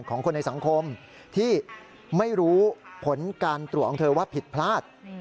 ของคนในสังคมที่ไม่รู้ผลการตรวจของเธอว่าผิดพลาด